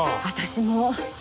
私も。